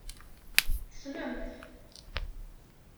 Tessnem-t.